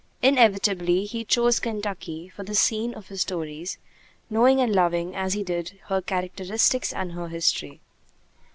Inevitably he chose Kentucky for the scene of his stories, knowing and loving, as he did, her characteristics and her history.